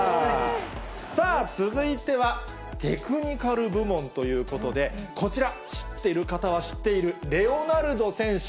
さあ、続いてはテクニカル部門ということで、こちら、知ってる方は知っているレオナルド選手。